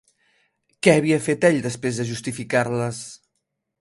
Què havia fet ell després per justificar-les?